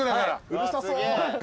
うるさそう。